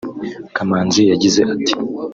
Kamanzi yagize ati